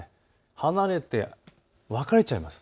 離れて分かれてしまいます。